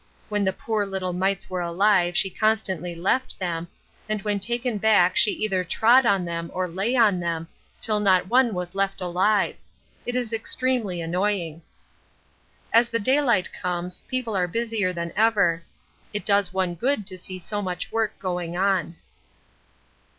When the poor little mites were alive she constantly left them, and when taken back she either trod on them or lay on them, till not one was left alive. It is extremely annoying. As the daylight comes, people are busier than ever. It does one good to see so much work going on.